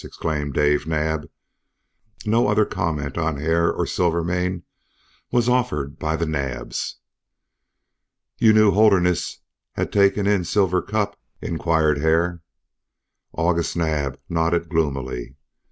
exclaimed Dave Naab. No other comment on Hare or Silvermane was offered by the Naabs. "You knew Holderness had taken in Silver Cup?" inquired Hare. August Naab nodded gloomily.